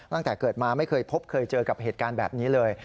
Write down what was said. ตั้งแต่เกิดมาไม่เคยพบเคยเจอกับเหตุการณ์แบบนี้เลย